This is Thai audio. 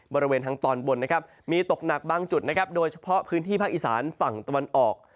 บริเวณทางตอนบนนะครับมีตกหนักบางจุดนะครับโดยเฉพาะพื้นที่ภาคอีสานฝั่งตะวันออก